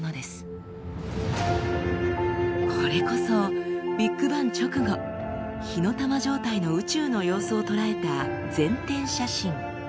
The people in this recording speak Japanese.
これこそビッグバン直後火の玉状態の宇宙の様子を捉えた全天写真。